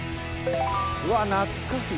うわっ懐かしい。